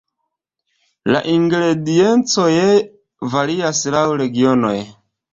La ingrediencoj varias laŭ regionoj.